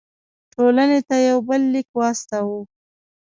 ټولنې ته یو بل لیک واستاوه.